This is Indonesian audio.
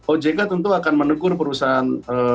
ojk tentu akan menegur perusahaan